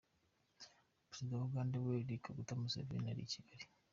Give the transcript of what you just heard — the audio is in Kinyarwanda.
Perezida wa Uganda, Yoweri Kaguta Museveni ari i Kigali.